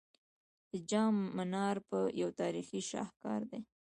د جام منار یو تاریخي شاهکار دی